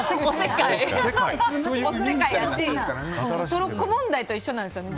トロッコ問題と一緒なんですよね。